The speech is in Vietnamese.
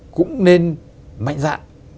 cũng nên mạnh dạng